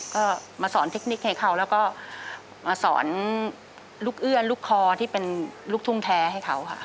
ก็มาสอนเทคนิคให้เขาแล้วก็มาสอนลูกเอื้อนลูกคอที่เป็นลูกทุ่งแท้ให้เขาค่ะ